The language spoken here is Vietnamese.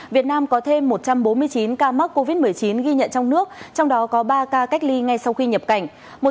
việt nam có thêm một trăm bốn mươi chín ca mắc covid một mươi chín ghi nhận trong nước trong đó có ba ca cách ly ngay sau khi nhập cảnh